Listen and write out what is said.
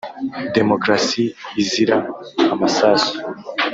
demokarasi izira amasasu